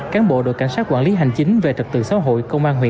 cán bộ đội cảnh sát quản lý hành chính về trật tự xã hội